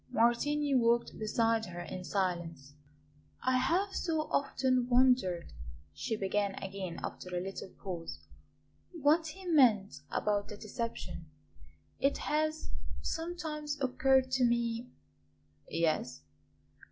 Martini walked beside her in silence. "I have so often wondered," she began again after a little pause; "what he meant about the deception. It has sometimes occurred to me " "Yes?"